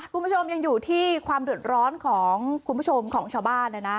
คุณผู้ชมยังอยู่ที่ความเดือดร้อนของคุณผู้ชมของชาวบ้านนะนะ